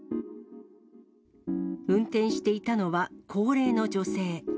運転していたのは高齢の女性。